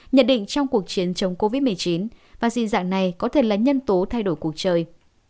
nhận định trong cuộc chiến chống covid một mươi chín và di dạng này có thể là nhân tố thay đổi cuộc chơi